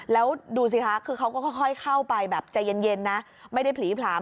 แล้วดูสิคะคือเขาก็ค่อยเข้าไปแบบใจเย็นนะไม่ได้ผลีผลาม